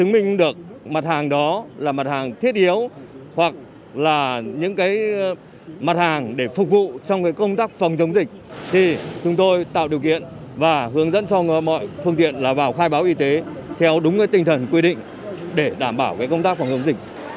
mặt hàng để phục vụ trong công tác phòng chống dịch thì chúng tôi tạo điều kiện và hướng dẫn cho mọi phương tiện là vào khai báo y tế theo đúng tinh thần quy định để đảm bảo công tác phòng chống dịch